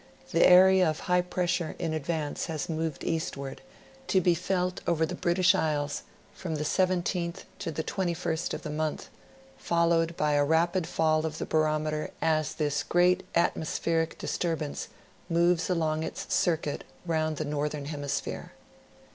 The area of high pressure in advance has moved eastward, to be felt over the British Isles from the l7th to the 21st of the month, followed by a rapid fall of the barometer as this great atmos pheric disturbance moves along its circuit round the northern hemisphere.